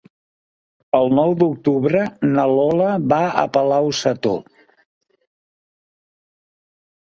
El nou d'octubre na Lola va a Palau-sator.